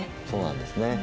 そうなんですね。